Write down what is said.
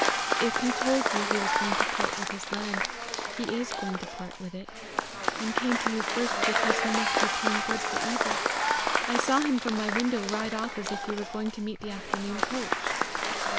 If he told you he was going to part with his land, he is going to part with it, and came to you first because he must return good for evil. I saw him from my window ride off as if he were going to meet the afternoon coach."